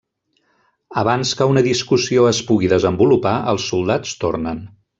Abans que una discussió es pugui desenvolupar els soldats tornen.